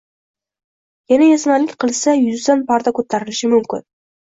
Yana ezmalik qilsa, yuzdan parda ko‘tarilishi mumkin